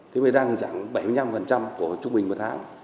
thế mình đang giảm bảy mươi năm của trung bình một tháng